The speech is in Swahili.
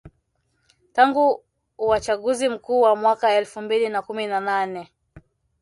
tangu uachaguzi mkuu wa mwaka elfu mbili na kumi na nane